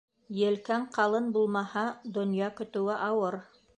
Елкәң ҡалын булмаһа, донъя көтөүе ауыр.